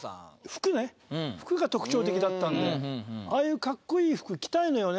服ね服が特徴的だったんでああいうかっこいい服着たいのよね